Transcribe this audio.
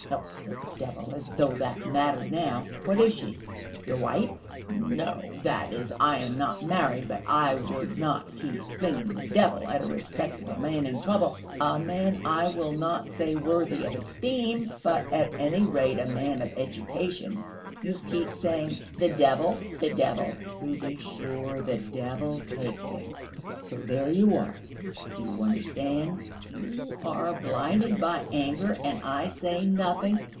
"Oh, the devil! As though that mattered now! What is she? Your wife?" "No that is, I am not married.... But I would not keep flinging the devil at a respectable man in trouble, a man, I will not say worthy of esteem, but at any rate a man of education. You keep saying, 'The devil, the devil!'" "To be sure, the devil take it; so there you are, do you understand?" "You are blinded by anger, and I say nothing.